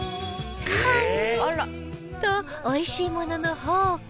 と美味しいものの宝庫